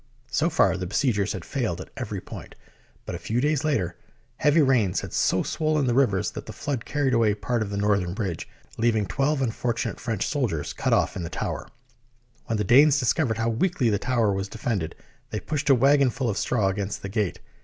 So far the besiegers had failed at every point, but a few days later heavy rains had so swollen THE BOOK OF FAMOUS SIEGES the rivers that the flood carried away part of the northern bridge, leaving twelve unfortunate French soldiers cut off in the tower. When the Danes discovered how weakly the tower was de fended, they pushed a wagon full of straw against the gate.